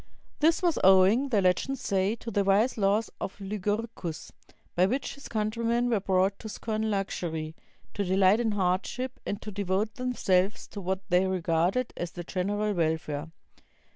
This was owing, the legends say, to the wise laws of Lycurgus, by which his countrymen were brought to scorn luxury, to delight in hardship, and to devote themselves to what they regarded as the general welfare.